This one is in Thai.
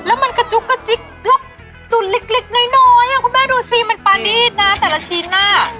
แล้วมันกระจุกกระจิ๊กล็อกตุ๋นเล็กน้อยคุณแม่ดูสิมันปานีตนะแต่ละชิ้นน่ะ